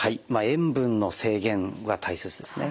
塩分の制限は大切ですね。